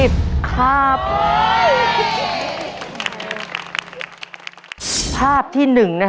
ถูกถูกถูกถูก